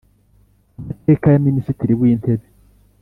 Amateka ya Minisitiri w Intebe